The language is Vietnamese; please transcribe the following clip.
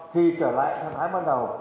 thì trở lại tháng thái bắt đầu